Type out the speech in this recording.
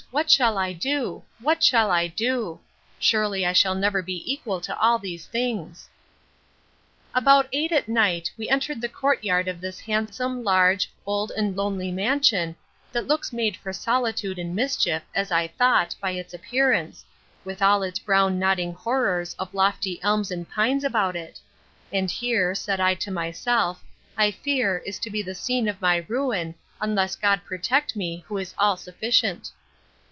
what shall I do! What shall I do!—Surely, I shall never be equal to all these things! About eight at night, we entered the court yard of this handsome, large, old, and lonely mansion, that looks made for solitude and mischief, as I thought, by its appearance, with all its brown nodding horrors of lofty elms and pines about it: and here, said I to myself, I fear, is to be the scene of my ruin, unless God protect me, who is all sufficient!